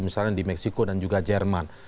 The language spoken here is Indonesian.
misalnya di meksiko dan juga jerman